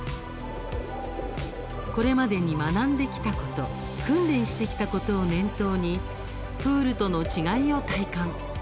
これまでに学んできたこと訓練してきたことを念頭にプールとの違いを体感。